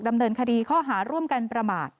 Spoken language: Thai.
ดำเนินคดีข้อหาร่วมกันประมาท